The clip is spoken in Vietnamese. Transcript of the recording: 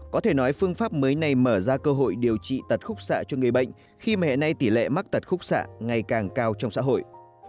có thể nói phương pháp mới này mở ra cơ hội điều trị tật khúc xạ cho người bệnh khi mà hiện nay tỷ lệ mắc tật khúc xạ ngày càng cao trong xã hội